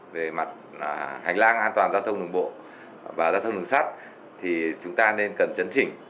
về mặt hành lang an toàn giao thông đường bộ và giao thông đường sắt thì chúng ta nên cần chấn chỉnh